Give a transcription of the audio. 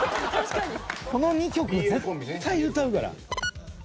この２曲絶対歌うから。